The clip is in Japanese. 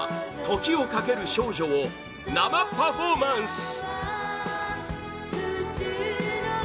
「時をかける少女」を生パフォーマンス！